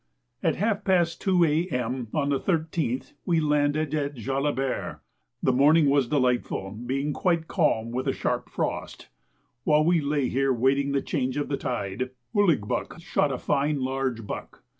At half past two A.M. on the 13th we landed at Jalabert. The morning was delightful, being quite calm with a sharp frost. While we lay here waiting the change of the tide, Ouligbuck shot a fine large buck.